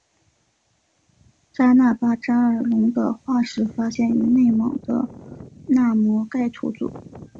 扎纳巴扎尔龙的化石发现于蒙古的纳摩盖吐组。